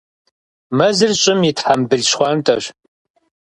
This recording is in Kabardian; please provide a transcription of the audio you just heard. Мэзыр щӀым и «тхьэмбыл щхъуантӀэщ».